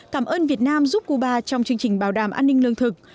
cảm ơn việt nam giúp cuba trong chương trình bảo đảm an ninh lương thực